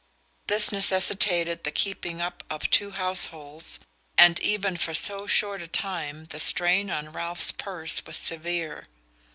This necessitated the keeping up of two households, and even for so short a time the strain on Ralph's purse was severe.